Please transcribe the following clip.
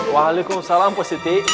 waalaikumsalam pos siti